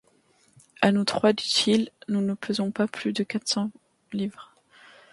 À nous trois, dit-il, nous ne pesons pas plus de quatre cents livres.